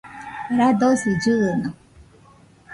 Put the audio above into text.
radosi llɨɨno